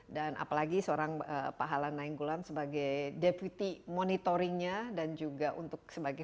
dan apalagi seorang pak hala nainggolan sebagai deputi monitoringnya dan juga untuk sebagai